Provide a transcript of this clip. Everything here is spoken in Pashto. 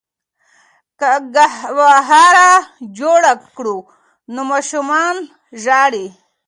که ګهواره جوړه کړو نو ماشوم نه ژاړي.